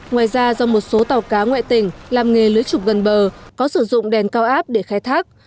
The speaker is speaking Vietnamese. ngoài ra do một số tàu cá ngoại tỉnh làm nghề lưới trục gần bờ có sử dụng đèn cao áp để khai thác